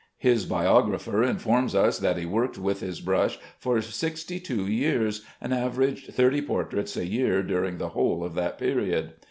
His biographer informs us that he worked with his brush for sixty two years, and averaged thirty portraits a year during the whole of that period.